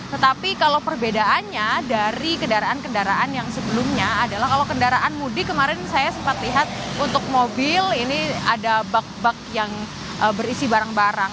tetapi kalau perbedaannya dari kendaraan kendaraan yang sebelumnya adalah kalau kendaraan mudik kemarin saya sempat lihat untuk mobil ini ada bak bak yang berisi barang barang